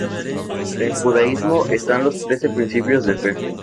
En judaísmo, están los Trece principios de fe.